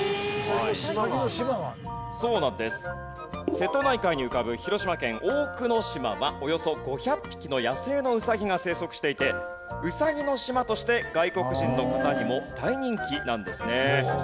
瀬戸内海に浮かぶ広島県大久野島はおよそ５００匹の野生のウサギが生息していてウサギの島として外国人の方にも大人気なんですね。